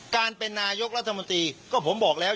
การเป็นนายกรัฐมนตรีก็ผมบอกแล้ว